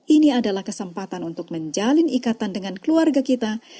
ini adalah kesempatan untuk menjalin ikatan dengan keluarga kita